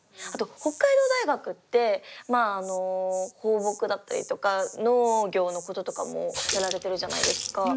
あと北海道大学ってまああの放牧だったりとか農業のこととかもやられてるじゃないですか。